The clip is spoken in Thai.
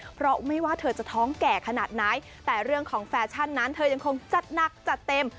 เพราะไม่ว่าเธอจะท้องแก่ขนาดไหนแต่เรื่องของแฟชั่นนั้นเธอยังคงจัดหนักจัดเต็ม